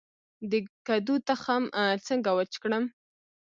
د کدو تخم څنګه وچ کړم؟